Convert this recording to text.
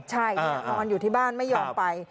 ใช่นอนอยู่ที่บ้านไม่ยอมไป